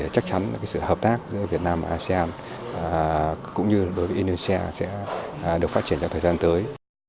chắc chắn sự hợp tác giữa việt nam và asean cũng như indonesia sẽ được phát triển trong thời gian tới